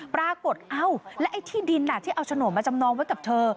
เอ้าแล้วไอ้ที่ดินที่เอาโฉนดมาจำนองไว้กับเธอ